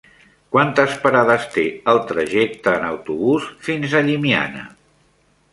Quantes parades té el trajecte en autobús fins a Llimiana?